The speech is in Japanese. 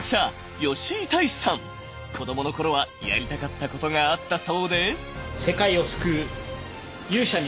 子供の頃はやりたかったことがあったそうで。